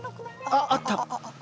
あっあった。